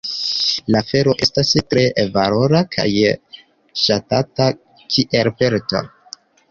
La felo estas tre valora kaj ŝatata kiel pelto.